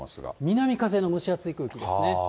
南風の蒸し暑い空気ですね。